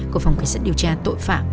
của phòng khí sất điều tra tội phạm